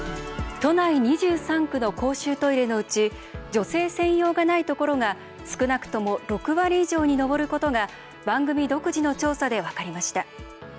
都内２３区の公衆トイレのうち女性専用がないところが少なくとも６割以上に上ることが番組独自の調査で分かりました。